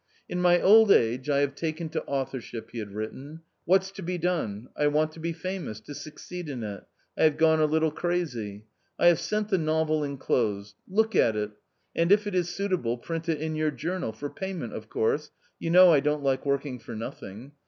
"In my old age I have taken to authorship," he had written; "what's to be done: I want to be famous, to succeed in it — I have gone a little crazy ! I have sent the novel enclosed. Look at it, and if it is suitable print it in your journal, for payment, of course ; you know I don't like working for nothing.